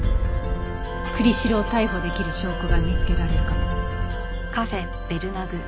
栗城を逮捕できる証拠が見つけられるかも。